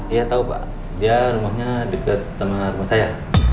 iya tau pak dia rumahnya deket sama rumah saya